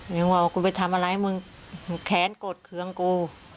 อย่างว่าว่ากูไปทำอะไรมึงแขนกดเคืองกู